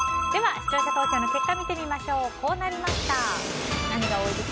視聴者投票の結果を見てみましょう。